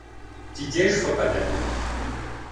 Ди деж фыкъэнэну?